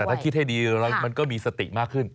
แต่ถ้าคิดให้ดีมันก็มีสติมากขึ้น